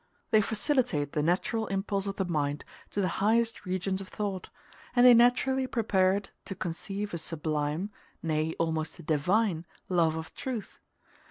They facilitate the natural impulse of the mind to the highest regions of thought, and they naturally prepare it to conceive a sublime nay, almost a divine love of truth.